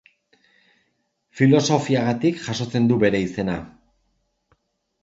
Filosofiagatik jasotzen du bere izena.